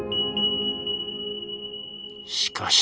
しかし。